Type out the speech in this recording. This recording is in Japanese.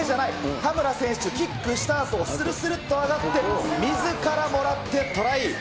田村選手、キックしたあと、するすると上がって、みずからもらってトライ。